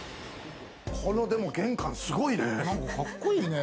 このでも玄関すごいね。